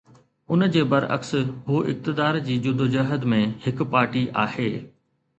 ان جي برعڪس، هو اقتدار جي جدوجهد ۾ هڪ پارٽي آهي.